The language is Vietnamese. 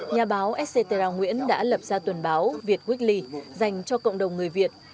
nhà báo etcetera nguyễn đã lập ra tuần báo việt weekly dành cho cộng đồng người việt nam